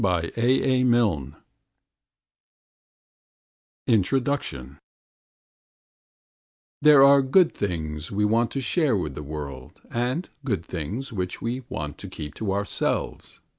August, 1911 INTRODUCTION There are good things which we want to share with the world and good things which we want to keep to ourselves.